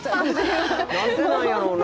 何でなんやろうな？